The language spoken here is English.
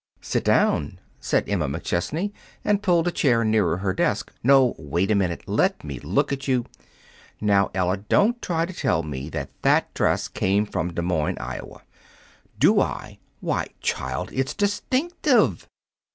"Sit down," said Emma McChesney, and pulled a chair nearer her desk. "No; wait a minute! Let me look at you. Now, Ella, don't try to tell me that THAT dress came from Des Moines, Iowa! Do I! Why, child, it's distinctive!"